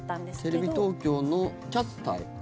テレビ東京のキャスター？